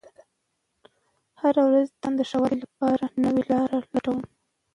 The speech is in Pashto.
زه هره ورځ د ځان د ښه والي لپاره نوې لارې لټوم